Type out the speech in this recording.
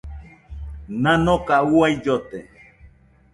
Nanoka uai llote.